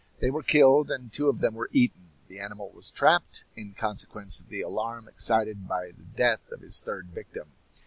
They were killed, and two of them were eaten; the animal was trapped, in consequence of the alarm excited by the death of his third victim.